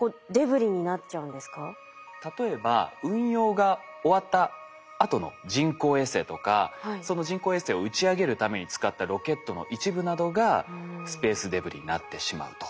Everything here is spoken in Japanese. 例えば運用が終わったあとの人工衛星とかその人工衛星を打ち上げるために使ったロケットの一部などがスペースデブリになってしまうと。